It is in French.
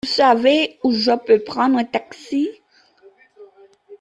Vous savez où je peux prendre un taxi ?